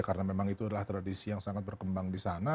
karena memang itu adalah tradisi yang sangat berkembang di sana